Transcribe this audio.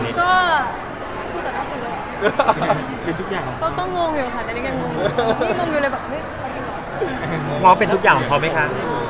มอคมอ๊กเป็นทุกอย่างของเขาไหมคะ